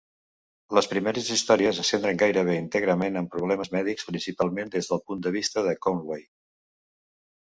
Les primeres històries es centren gairebé íntegrament en problemes mèdics, principalment des del punt de vista de Conway.